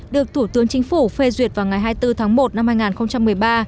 được thủ tướng chính phủ phê duyệt vào ngày hai mươi bốn tháng một năm hai nghìn một mươi ba